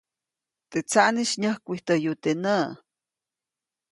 Teʼ tsaʼnis nyäjkwijtäyu teʼ näʼ.